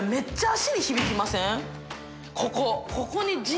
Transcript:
ここ。